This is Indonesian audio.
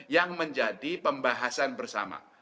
yang menjadi pembahasan bersama